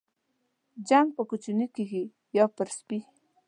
جنگ پر کوچني کېږي ، يا پر سپي.